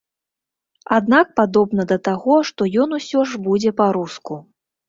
Аднак падобна да таго, што ён усё ж будзе па-руску.